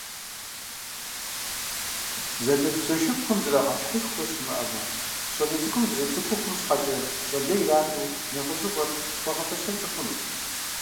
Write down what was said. Зэдэлъху-зэшыпхъум зэрагъэхьышхуэ щымыӀэмэ, щӀалэ цӀыкӀум зэрыцӀыхухъум щхьэкӀэ пщӀэ лей ирату нэхъыжьыгъуэр хуагъэфэщэнкӀэ хъунут.